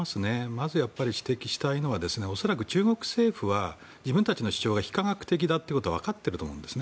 まずやっぱり指摘したいのは恐らく中国政府は自分たちの主張は非科学的だということはわかっていると思うんです。